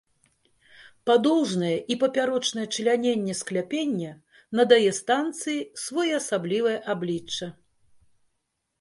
Падоўжнае і папярочнае чляненне скляпення надае станцыі своеасаблівае аблічча.